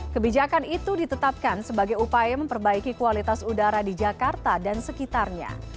kebijakan itu ditetapkan sebagai upaya memperbaiki kualitas udara di jakarta dan sekitarnya